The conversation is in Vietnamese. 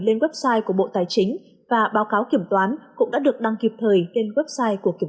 lên website của bộ tài chính và báo cáo kiểm toán cũng đã được đăng kịp thời trên website của kiểm